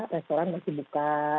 restoran masih buka